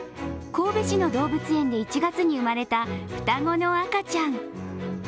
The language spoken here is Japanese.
神戸市の動物園で１月に生まれた双子の赤ちゃん。